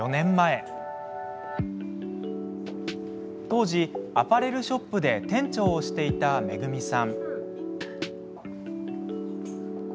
当時、アパレルショップで店長をしていためぐみさん。